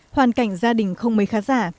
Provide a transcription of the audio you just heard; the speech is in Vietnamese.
hoàn cảnh gia đình không mấy khá giả